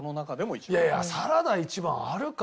いやいやサラダ一番あるか？